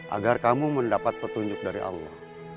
agar kamu mendapat petunjuk dari allah